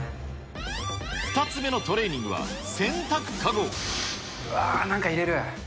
２つ目のトレーニングは洗濯うわー、なんか入れる。